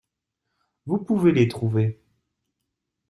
Vous pouvez les trouver.